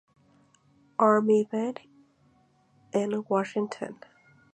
Army Band en Washington.